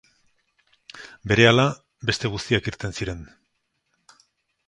Berehala beste guztiak irten ziren.